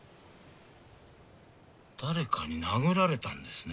誰かに殴られたんですね。